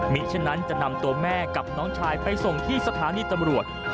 มีเช่นนั้นจะนำตัวแม่กับน้องชายไปส่งที่สถานีตำรวจ